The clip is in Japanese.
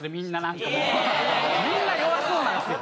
みんな弱そうなんですよ。